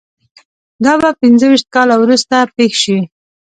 دا به پنځه ویشت کاله وروسته پېښ شي